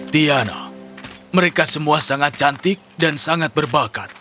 tiana mereka semua sangat cantik dan sangat berbakat